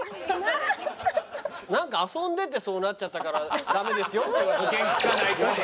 なんか遊んでてそうなっちゃったから「ダメですよ」って言われたんじゃないの？